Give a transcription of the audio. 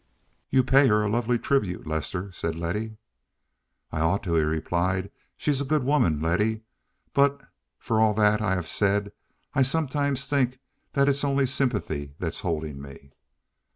"You pay her a lovely tribute, Lester," said Letty. "I ought to," he replied. "She's a good woman, Letty; but, for all that I have said, I sometimes think that it's only sympathy that's holding me."